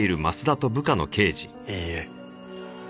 いいえ。